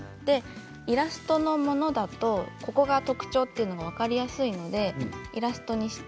イラストのものだとここが特徴というのが分かりやすいのでイラストにして。